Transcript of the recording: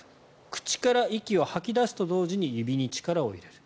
口から息を吐き出すと同時に指に力を入れる。